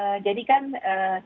ya jadi kan ini adalah satu strategi